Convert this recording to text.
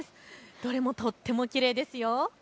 どれも、とってもきれいですよ。